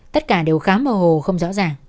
tất cả đều khá mờ hồ không rõ ràng